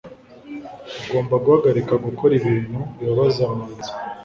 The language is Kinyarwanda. Ugomba guhagarika gukora ibintu bibabaza Manzi.